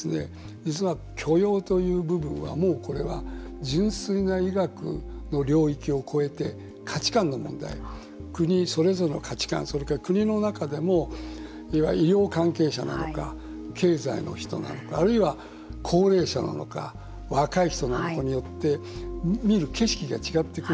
実は許容という部分はもうこれは、純粋な医学の領域を越えて価値観の問題国、それぞれの価値観それから国の中でも医療関係者なのか経済の人なのかあるいは高齢者なのか若い人なのかによって見る景色が違ってくる。